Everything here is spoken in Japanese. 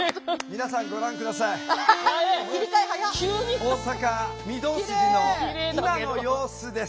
大阪・御堂筋の今の様子です。